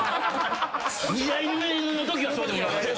二代目のときはそうでもなかった。